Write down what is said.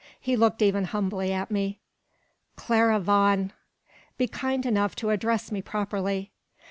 He looked even humbly at me. "Clara Vaughan " "Be kind enough to address me properly."